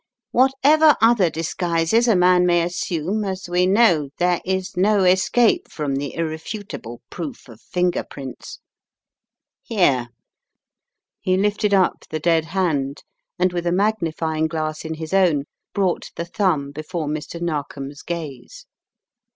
"What ever other disguises a man may assume, as we know, there is no escape from the irrefutable proof of finger prints. Here " He lifted up the dead hand, and with a magnifying glass in his own, brought the thumb before Mr. Narkom's gaze.